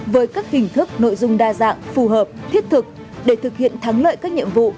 với các hình thức nội dung đa dạng phù hợp thiết thực để thực hiện thắng lợi các nhiệm vụ